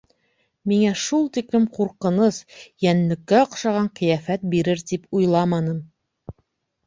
Миңә шул тиклем ҡурҡыныс, йәнлеккә оҡшаған ҡиәфәт бирер тип уйламаным.